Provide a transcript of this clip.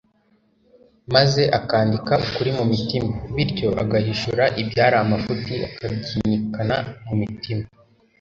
maze akandika ukuri mu mitima; bityo agahishura ibyari amafuti akabyinikana mu mitima.